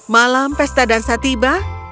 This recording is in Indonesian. malam pesta dan satiba